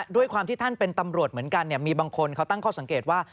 ด้วยความที่ท่านเป็นตำรวจเหมือนกันมีบางคนเขาตั้งข้อสังเกตว่า